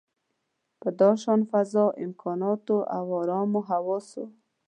په داشان فضا، امکاناتو او ارامو حواسو.